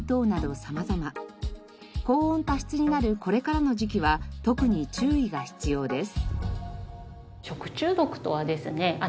高温多湿になるこれからの時期は特に注意が必要です。